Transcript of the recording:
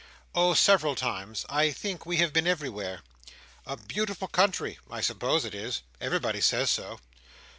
"Oh, several times. I think we have been everywhere." "A beautiful country!" "I suppose it is. Everybody says so."